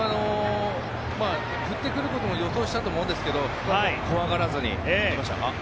振ってくることも予想したと思うんですが怖がらずに行きましたね。